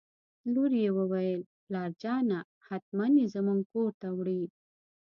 لور یې وویل: پلارجانه حتماً یې زموږ کور ته وړي.